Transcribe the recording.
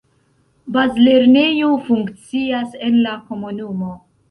Bazlernejo funkcias en la komunumo.